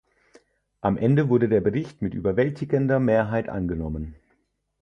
Am Ende wurde der Bericht mit überwältigender Mehrheit angenommen.